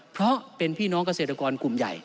เพราะเป็นพี่น้องเกษตรกรกลุ่มใหญ่